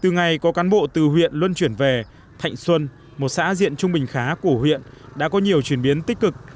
ngày có cán bộ từ huyện luân chuyển về thạnh xuân một xã diện trung bình khá của huyện đã có nhiều chuyển biến tích cực